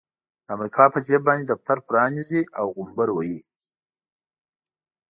د امريکا په جيب باندې دفتر پرانيزي او غومبر وهي.